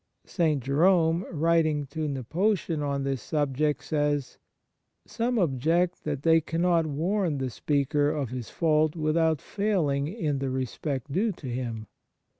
St. Jerome, writing to Nepotian on this subject, says :" Some object that they cannot warn the speaker of his fault without failing in the respect due to him.